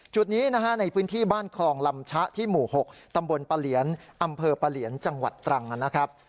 จุดนี้นะฮะในพื้นที่บ้านคลองลำชะที่หมู่๖ตำบลปะเหลียนอำเภอปะเหลียนจังหวัดตรังนะครับ